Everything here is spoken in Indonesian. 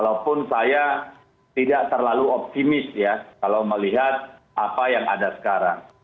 walaupun saya tidak terlalu optimis ya kalau melihat apa yang ada sekarang